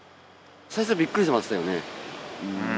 最初、びっくりしましたよね。